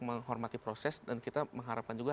menghormati proses dan kita mengharapkan juga